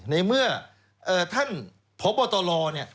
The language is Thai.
ในเมื่อท่านพบตรเนี่ย